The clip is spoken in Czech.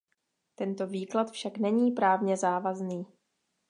Tento výklad však není právně závazný.